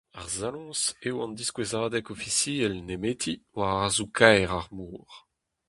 Ar saloñs eo an diskouezadeg ofisiel nemeti war arzoù-kaer ar mor.